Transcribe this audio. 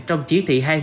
trong chỉ thị hai mươi